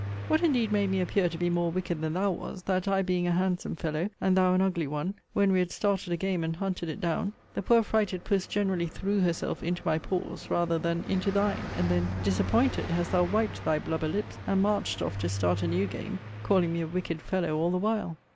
What indeed made me appear to be more wicked than thou was, that I being a handsome fellow, and thou an ugly one, when we had started a game, and hunted it down, the poor frighted puss generally threw herself into my paws, rather than into thine: and then, disappointed, hast thou wiped thy blubber lips, and marched off to start a new game, calling me a wicked fellow all the while.